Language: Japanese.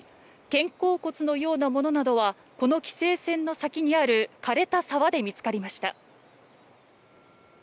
肩甲骨のようなものなどはこの規制線の先にある枯れた沢で見つかりました。